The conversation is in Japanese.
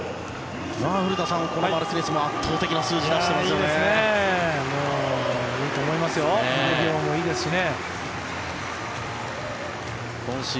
古田さん、このマルティネスも圧倒的な数字を出していますよね。